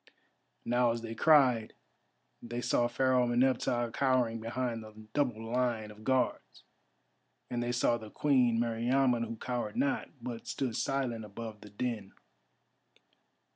Now as they cried they saw Pharaoh Meneptah cowering behind the double line of Guards, and they saw the Queen Meriamun who cowered not, but stood silent above the din.